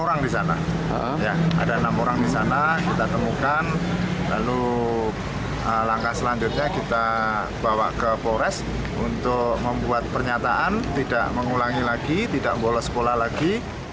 ada enam orang di sana kita temukan lalu langkah selanjutnya kita bawa ke polres untuk membuat pernyataan tidak mengulangi lagi tidak bolos sekolah lagi